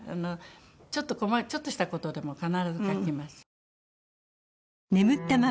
ちょっとちょっとした事でも必ず書きます。